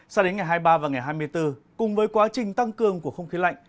sao đến ngày hai mươi ba và ngày hai mươi bốn cùng với quá trình tăng cường của không khí lạnh